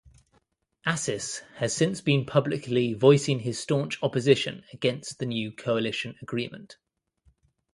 Assis has since been publicly voicing his staunch opposition against the new coalition agreement.